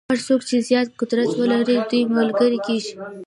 هر څوک چې زیات قدرت ولري دوی ملګري کېږي.